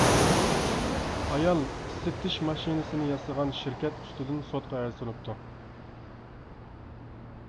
ئايال ئىسسىتىش ماشىنىسىنى ياسىغان شىركەت ئۈستىدىن سوتقا ئەرز سۇنۇپتۇ.